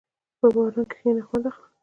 په باران کښېنه، خوند اخله.